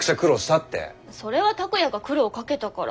それは拓哉が苦労をかけたから。